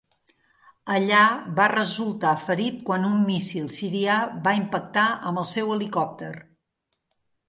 Allà va resultar ferit quan un míssil sirià va impactar amb el seu helicòpter.